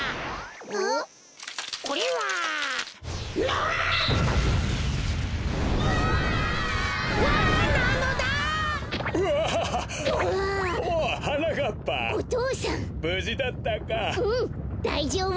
うんだいじょうぶ！